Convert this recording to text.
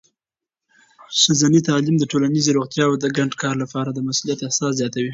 ښځینه تعلیم د ټولنیزې روڼتیا او د ګډ کار لپاره د مسؤلیت احساس زیاتوي.